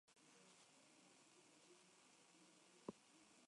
En cinco casos vinculados, Holmes se enfrenta oscuros secretos familiares.